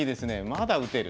まだ打てる。